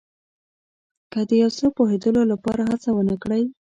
که د یو څه پوهېدلو لپاره هڅه ونه کړئ.